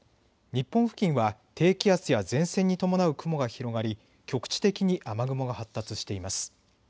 日本付近は低気圧や前線に伴う雲が広がり局地的に雨雲が発達しています。